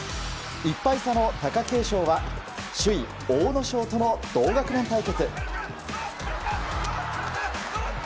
１敗差の貴景勝は首位・阿武咲との同学年対決。